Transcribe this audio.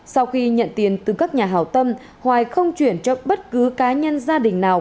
sau khi nhận tiền từ các nhà hào tâm hoài không chuyển cho bất cứ cá nhân gia đình nào